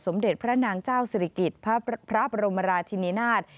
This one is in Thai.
เด็จพระนางเจ้าศิริกิจพระบรมราชินินาศ